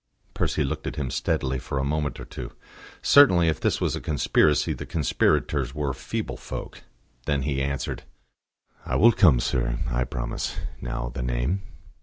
Percy looked at him steadily for a moment or two. Certainly, if this was a conspiracy, the conspirators were feeble folk. Then he answered: "I will come, sir; I promise. Now the name."